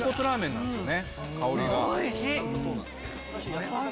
香りが。